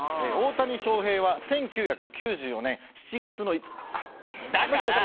大谷翔平は１９９４年７月の。だから！